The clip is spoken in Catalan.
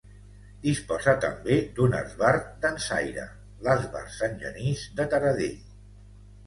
Disposa també d'un esbart dansaire, l'Esbart Sant Genís de Taradell.